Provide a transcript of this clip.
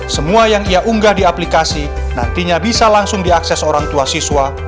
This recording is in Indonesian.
semua yang ia unggah di aplikasi nantinya bisa langsung diakses orang tua siswa